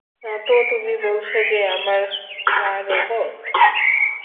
তো তুমি বলছ যে আমরা রোবট?